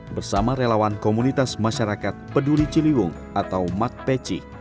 bersama relawan komunitas masyarakat peduli ciliwung atau mat peci